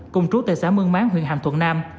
cùng trú tại xã mương máng huyện hàm thuận nam